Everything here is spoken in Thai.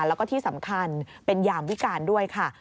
แล้วก็ที่สำคัญเป็นยามวิการด้วยค่ะ